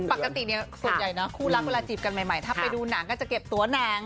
ปกติเนี่ยส่วนใหญ่นะคู่รักเวลาจีบกันใหม่ถ้าไปดูหนังก็จะเก็บตัวหนัง